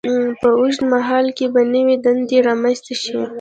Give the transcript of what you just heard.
په اوږد مهال کې به نوې دندې رامینځته شي.